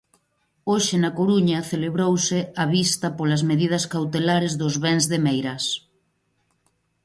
Hoxe na Coruña celebrouse a vista polas medidas cautelares dos bens de Meirás.